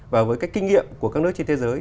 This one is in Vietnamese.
và với cái kinh nghiệm của các nước trên thế giới